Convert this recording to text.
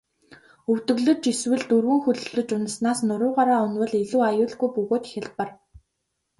Өвдөглөж эсвэл дөрвөн хөллөж унаснаас нуруугаараа унавал илүү аюулгүй бөгөөд хялбар.